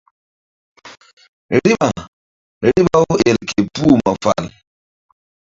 Riɓa riɓa-u el ke puh ma fal.